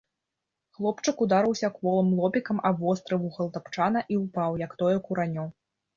Хлопчык ударыўся кволым лобікам аб востры вугал тапчана і ўпаў, як тое куранё.